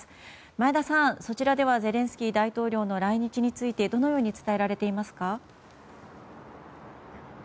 前田さん、そちらではゼレンスキー大統領の来日についてどのように伝えられていますか？